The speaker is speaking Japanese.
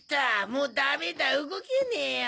もうダメだ動けねぇよ。